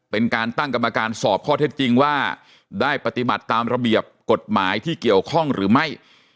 เป็นการตั้งกรรมการสอบข้อเท็จจริงว่าได้ปฏิบัติตามระเบียบกฎหมายที่เกี่ยวข้องหรือไม่